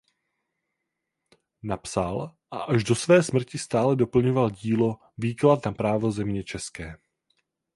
Napsal a až do své smrti stále doplňoval dílo "Výklad na právo země české".